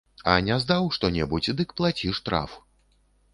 А не здаў што-небудзь, дык плаці штраф.